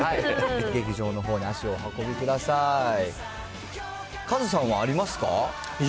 劇場のほうに足をお運びください。